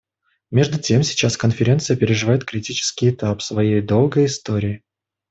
Между тем сейчас Конференция переживает критический этап своей долгой истории.